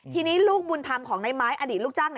ทีนี้ลูกบนทำของนายไม้อดีตลูกจัง